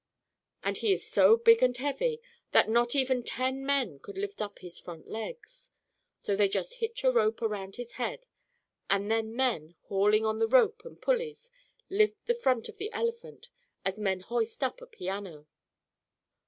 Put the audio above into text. And he is so big and heavy that not even ten men could lift up his front legs. So they just hitch a rope around his head, and then men, hauling on the rope and pulleys, lift the front of the elephant, as men hoist up a piano.